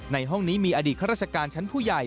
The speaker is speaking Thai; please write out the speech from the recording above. ห้องนี้มีอดีตข้าราชการชั้นผู้ใหญ่